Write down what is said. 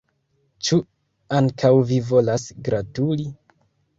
Ĉu ankaŭ vi volas gratuli?